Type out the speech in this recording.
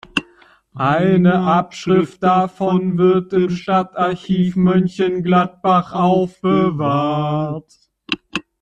Eine Abschrift davon wird im Stadtarchiv Mönchengladbach aufbewahrt.